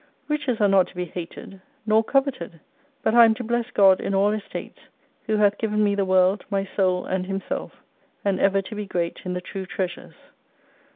Riches are not to be hated, nor coveted : but I am to bless God in all estates, Who hath given me the world, my Soul, and Himself : and ever to be great in the true treasures.